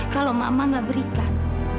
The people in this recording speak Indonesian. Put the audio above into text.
kalau mama nggak berikan